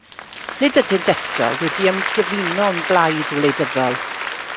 Nid ydynt eto wedi ymgyfuno'n blaid wleidyddol.